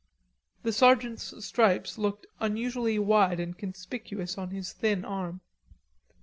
The sergeant's stripes looked unusually wide and conspicuous on his thin arm.